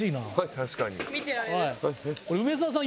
確かに。